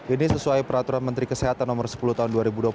ini sesuai peraturan menteri kesehatan nomor sepuluh tahun dua ribu dua puluh